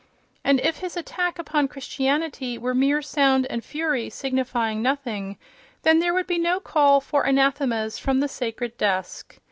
And if his attack upon Christianity were mere sound and fury, signifying nothing, then there would be no call for anathemas from the sacred desk.